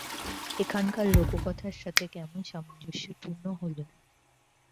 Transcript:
এখানকার লোককথার সাথে কেমন সামঞ্জস্যপূর্ণ হল?